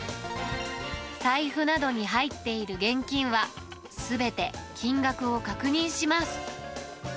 財布などに入っている現金は、すべて金額を確認します。